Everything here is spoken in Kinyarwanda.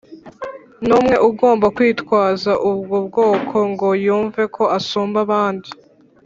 n'umwe ugomba kwitwaza ubwo bwoko ngo yumve ko asumba abandi,